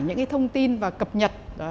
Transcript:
những cái thông tin và cập nhật